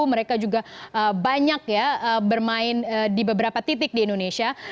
mereka juga banyak ya bermain di beberapa titik di indonesia